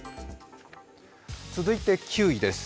続いて９位です。